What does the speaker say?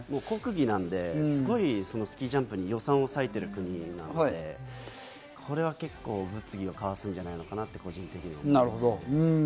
国技なのですごいスキージャンプに予算を割いている国なので、これは結構、物議をかもすんじゃないのかなと個人的に思います。